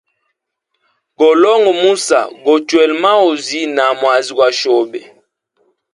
Golonga musa, gochwela maozi na mwazi gwa shobe.